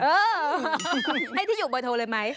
เออให้ที่อยู่เบอร์โทรเลยไหม